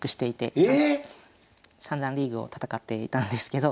ええ⁉三段リーグを戦っていたんですけど。